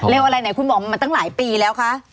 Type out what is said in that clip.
อะไรไหนคุณบอกมาตั้งหลายปีแล้วคะ